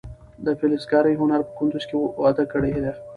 د فلزکارۍ هنر په کندز کې وده کړې ده.